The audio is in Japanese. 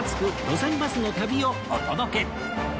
路線バスの旅』をお届け